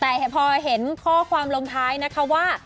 แต่พอเห็นข้อความลงท้ายนะคะว่า